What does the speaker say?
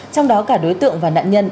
trong đó cả đối tượng và nạn nhân